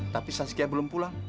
tapi saskia belum pulang